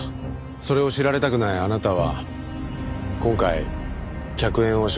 それを知られたくないあなたは今回客演を承諾したんですよね。